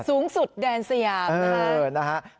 สูงสุดแดนสยามนะครับ